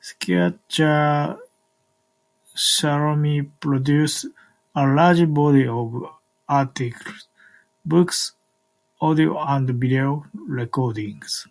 Schachter-Shalomi produced a large body of articles, books, audio and video recordings.